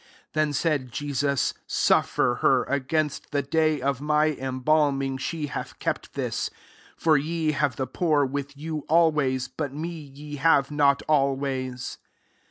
7 Then said Je sus, " Suffer her : against the day of my embalming she hath kept this. 8 For ye have the poor with you always ; but me ye have not always."